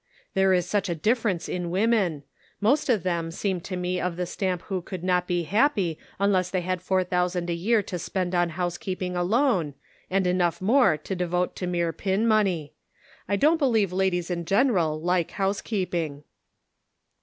" There is such a difference in women ; most of them seem to me of the stamp who could not be Measuring Brains and Hearts. 121 happy unless they had four thousand a year to spend on housekeeping alone, and enough more to devote to mere pin money. I don't believe ladies in general like housekeeping."